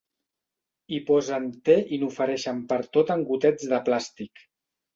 Hi posen te i n'ofereixen pertot en gotets de plàstic.